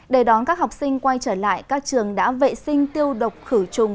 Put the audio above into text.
để đón các học sinh quay trở lại các trường đã vệ sinh tiêu độc khử trùng